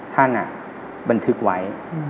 ท่านบันทึกไว้